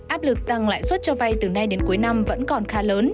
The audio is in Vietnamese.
áp lực tăng lãi suất cho vay từ nay đến cuối năm vẫn còn khá lớn